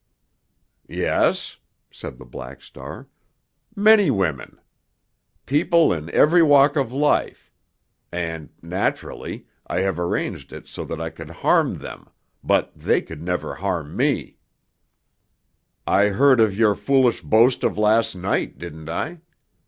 "Yes," said the Black Star. "Many women! People in every walk of life. And, naturally, I have arranged it so that I could harm them, but they never could harm me. I heard of your foolish boast of last night, didn't I?